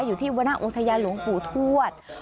อยู่ที่วน่าองค์ทะเยนหลวงปู่ทวช